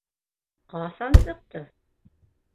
Ҡасан сыҡты?